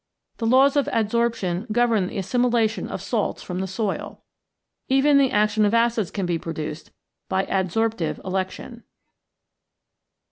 The laws of adsorption govern the assimi lation of salts from the soil. Even the action of acids can be produced by adsorptive election.